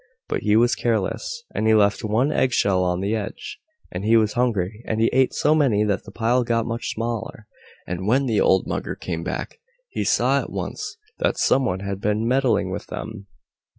But he was careless, and he left one eggshell on the edge, and he was hungry and he ate so many that the pile got much smaller, and when the old Mugger came back he saw at once that some one had been meddling with them.